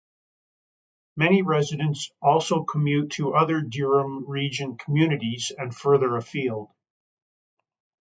Many residents also commute to other Durham Region communities and further afield.